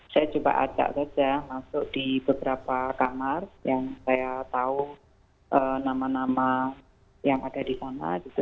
saya coba ajak saja masuk di beberapa kamar yang saya tahu nama nama yang ada di sana gitu